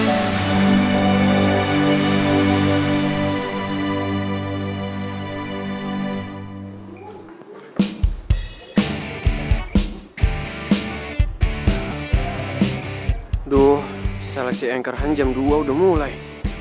aduh seleksi anchorhan jam dua udah mulai